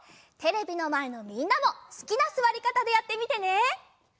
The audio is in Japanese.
テレビのまえのみんなもすきなすわりかたでやってみてね！